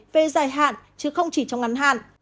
về dài hạn chứ không chỉ trong ngắn hạn